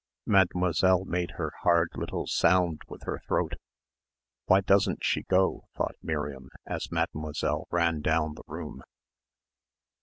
Mademoiselle made her hard little sound with her throat. "Why doesn't she go?" thought Miriam as Mademoiselle ran down the room.